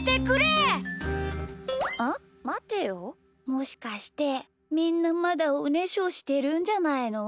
もしかしてみんなまだおねしょしてるんじゃないの？